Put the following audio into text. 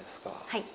はい。